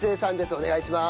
お願いします。